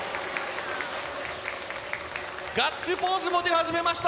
ガッツポーズも出始めました